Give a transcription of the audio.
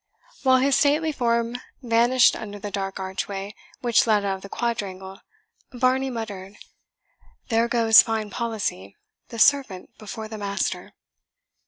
While his stately form vanished under the dark archway which led out of the quadrangle, Varney muttered, "There goes fine policy the servant before the master!"